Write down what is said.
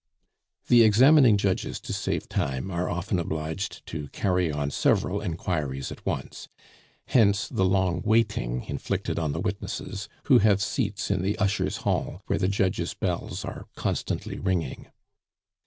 The examining judges, to save time, are often obliged to carry on several inquiries at once. Hence the long waiting inflicted on the witnesses, who have seats in the ushers' hall, where the judges' bells are constantly ringing.